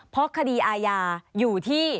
เพราะคดีอาญาอยู่ที่